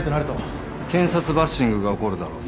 検察バッシングが起こるだろうな。